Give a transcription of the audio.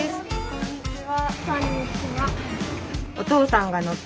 こんにちは。